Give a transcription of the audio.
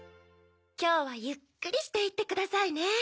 きょうはゆっくりしていってくださいね。